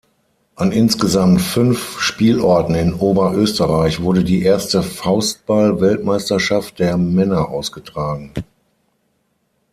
An insgesamt fünf Spielorten in Oberösterreich wurde die erste Faustball-Weltmeisterschaft der Männer ausgetragen.